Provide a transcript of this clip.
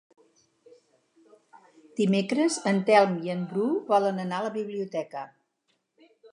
Dimecres en Telm i en Bru volen anar a la biblioteca.